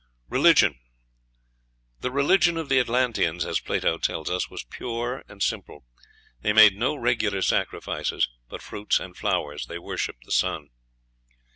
Religion. The religion of the Atlanteans, as Plato tells us, was pure and simple; they made no regular sacrifices but fruits and flowers; they worshipped the sun.